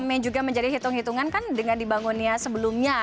yang juga menjadi hitung hitungan kan dengan dibangunnya sebelumnya